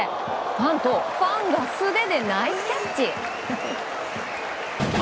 何と、ファンが素手でナイスキャッチ！